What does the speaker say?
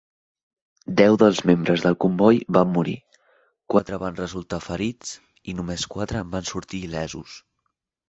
Deu dels membres del comboi van morir, quatre van resultar ferits i només quatre en van sortir il·lesos.